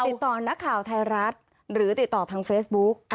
ติดต่อนักข่าวไทยรัฐหรือติดต่อทางเฟซบุ๊ก